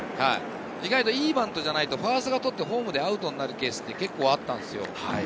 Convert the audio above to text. いいバントじゃないとファーストが捕って、ホームでアウトになるケースは結構あったんですよ。